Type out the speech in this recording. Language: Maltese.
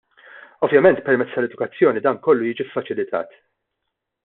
Ovvjament, permezz tal-edukazzjoni, dan kollu jiġi ffaċilitat.